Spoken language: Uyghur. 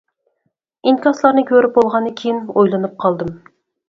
ئىنكاسلارنى كۆرۈپ بولغاندىن كېيىن ئويلىنىپ قالدىم.